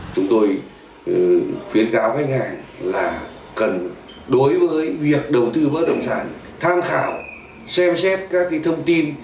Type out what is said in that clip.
chúng tôi khuyến cáo khách hàng là cần đối với việc đầu tư bất động sản tham khảo xem xét các thông tin